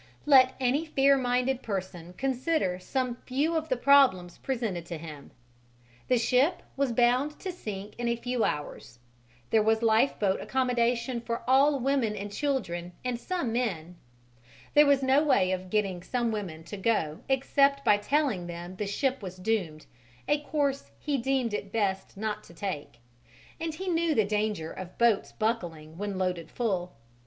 Let any fair minded person consider some few of the problems presented to him the ship was bound to sink in a few hours; there was lifeboat accommodation for all women and children and some men; there was no way of getting some women to go except by telling them the ship was doomed, a course he deemed it best not to take; and he knew the danger of boats buckling when loaded full.